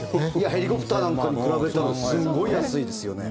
ヘリコプターなんかに比べたらすごい安いですよね。